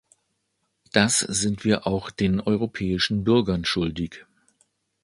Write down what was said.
Das sind wir auch den europäischen Bürgern schuldig.